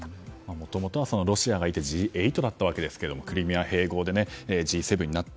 もともとはロシアがいてＧ８だったわけですけどもクリミア併合でＧ７になって。